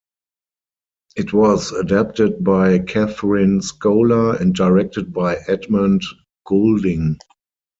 It was adapted by Kathryn Scola and directed by Edmund Goulding.